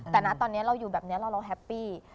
แต่ตอนนี้เราอยู่แบบนี้